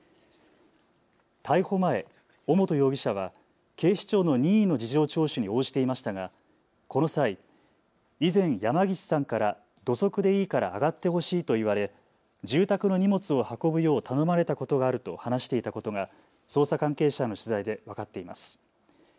逮捕前、尾本容疑者は警視庁の任意の事情聴取に応じていましたがこの際、以前山岸さんから土足でいいから上がってほしいと言われ住宅の荷物を運ぶよう頼まれたことがあると話していたことが捜査関係者への取材で分かっています。